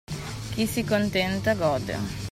Chi si contenta gode.